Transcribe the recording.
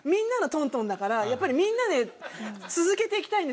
やっぱりみんなで続けていきたいんですよ